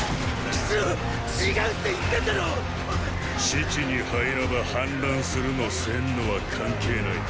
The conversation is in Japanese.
死地に入らば反乱するのせんのは関係ない。